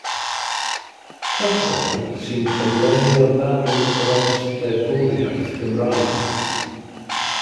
Cyfrol sy'n cyflwyno'r ddadl dros ddeddfwriaeth Gymraeg.